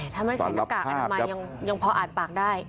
ถ้าไม่ใส่หน้ากากอนามัยยังพออ่านปากได้